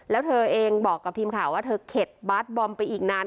แล้วเธอเองบอกกับทีมข่าวว่าเธอเข็ดบาสบอมไปอีกนาน